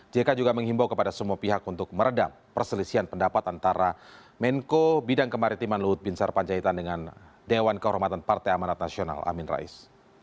jk juga menghimbau kepada semua pihak untuk meredam perselisian pendapat antara menko bidang kemaritiman luhut bin sarpanjaitan dengan dewan kehormatan partai amanat nasional amin rais